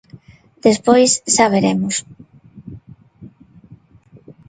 Despois, xa veremos...